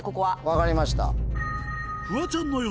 分かりました。